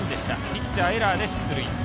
ピッチャー、エラーで出塁。